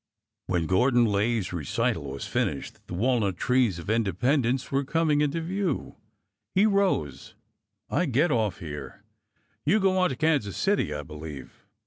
When Gordon Lay's recital was finished, the walnut trees of Independence were coming into view. He rose. " I get off here. You go on to Kansas City, I believe."